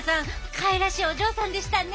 かわいらしいお嬢さんでしたね！